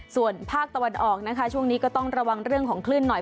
ส่วนภาคตะวันออกนะคะช่วงนี้ก็ต้องระวังเรื่องของคลื่นหน่อย